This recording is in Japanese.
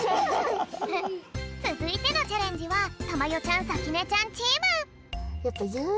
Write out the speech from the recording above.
つづいてのチャレンジはたまよちゃんさきねちゃんチーム。